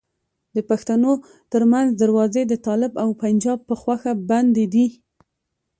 د پښتنو ترمنځ دروازې د طالب او پنجاب په خوښه بندي دي.